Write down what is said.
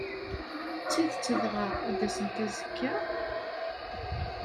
D tidet dɣa, ad d-asent azekka?